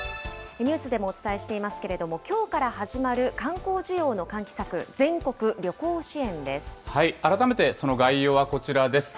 ニュースでもお伝えしていますけれども、きょうから始まる観光需要の喚起改めて、その概要はこちらです。